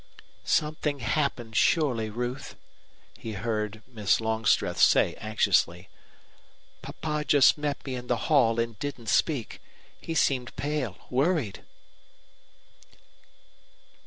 "Something's happened surely, Ruth," he heard Miss Longstreth say, anxiously. "Papa just met me in the hall and didn't speak. He seemed pale, worried."